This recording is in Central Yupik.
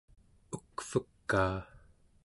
ukvekaa